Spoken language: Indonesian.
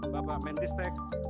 bapak mendistek kepala brindisi